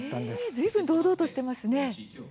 ずいぶん堂々としていますね。